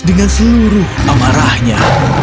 dengan seluruh pemarahnya